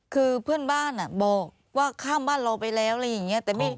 คือเพื่อนบ้านอ่ะบอกว่าข้ามบ้านเราไปแล้วอะไรอย่างเงี้ยแต่ไม่